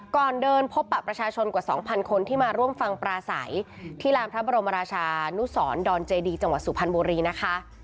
ก่อนเดินพบปะประชาชนกว่า๒๐๐คนที่มาร่วมฟังปราศัยที่ลานพระบรมราชานุสรดอนเจดีจังหวัดสุพรรณบุรีนะคะ